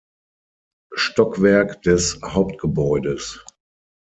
Stockwerk des Hauptgebäudes.